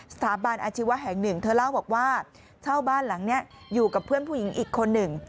สถาบันอาชีวะแห่งหนึ่งเธอเล่าบอกว่าเช่าบ้านหลังนี้อยู่กับเพื่อนผู้หญิงอีกคนหนึ่ง